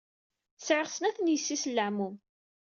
Sɛiɣ snat n yessi-s n leɛmum.